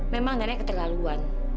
memang nenek keterlaluan